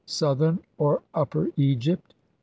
Southern or Upper Egypt.